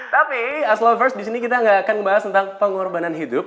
tapi aslovers disini kita nggak akan bahas tentang pengorbanan hidup